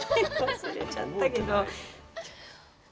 忘れちゃったけど。